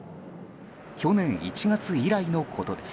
去年１月以来のことです。